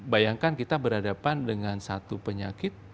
bayangkan kita berhadapan dengan satu penyakit